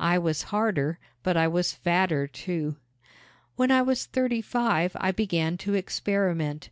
I was harder but I was fatter, too. When I was thirty five I began to experiment.